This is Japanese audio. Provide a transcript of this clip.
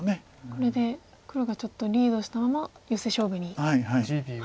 これで黒がちょっとリードしたままヨセ勝負に入ると。